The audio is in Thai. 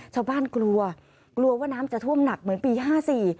กลัวกลัวว่าน้ำจะท่วมหนักเหมือนปีห้าสี่